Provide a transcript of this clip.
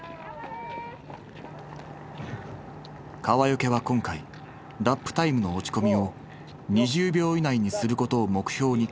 川除は今回ラップタイムの落ち込みを２０秒以内にすることを目標に掲げた。